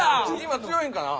今強いんかな？